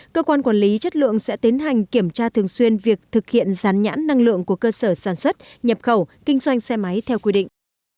cơ quan quản lý chất lượng sẽ tiến hành kiểm tra thường xuyên việc thực hiện gián nhãn năng lượng của cơ sở sản xuất nhập khẩu kinh doanh xe máy theo quy định